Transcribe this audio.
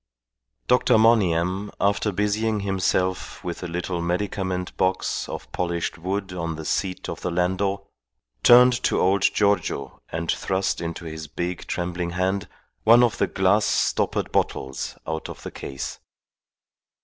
Dr. Monygham, after busying himself with a little medicament box of polished wood on the seat of the landau, turned to old Giorgio and thrust into his big, trembling hand one of the glass stoppered bottles out of the case.